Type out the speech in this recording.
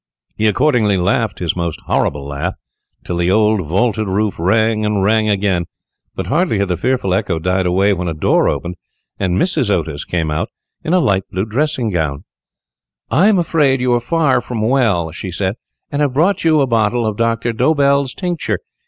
He accordingly laughed his most horrible laugh, till the old vaulted roof rang and rang again, but hardly had the fearful echo died away when a door opened, and Mrs. Otis came out in a light blue dressing gown. "I am afraid you are far from well," she said, "and have brought you a bottle of Doctor Dobell's tincture.